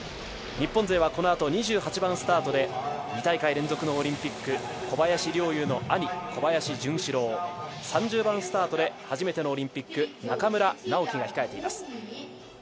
日本勢はこのあと２８番スタートで、２大会連続のオリンピック、小林陵侑の兄、小林潤志郎、３０番スタートで初めてのオリンピック中村直幹が控えています。